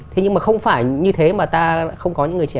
thế nhưng mà không phải như thế mà ta lại không có những người trẻ